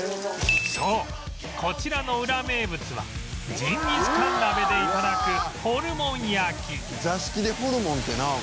そうこちらのウラ名物はジンギスカン鍋で頂くホルモン焼座敷でホルモンってなあ